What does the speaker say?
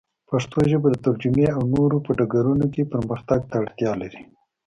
پښتو ژبه د ترجمې او نورو په ډګرونو کې پرمختګ ته اړتیا لري.